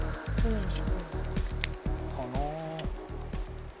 かな？